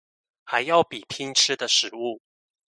還要比拼吃的食物